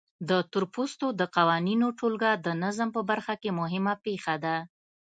د تورپوستو د قوانینو ټولګه د ظلم په برخه کې مهمه پېښه ده.